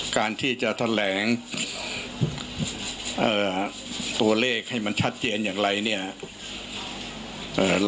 การที่จะแถลงตัวเลขให้มันชัดเจนอย่างไรเนี่ย